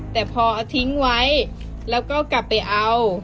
แต่พอเอาทิ้งไว้แล้วก็กลับไปเอา